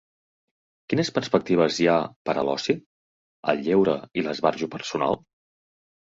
Quines perspectives hi ha per a l’oci, el lleure i l'esbarjo personal?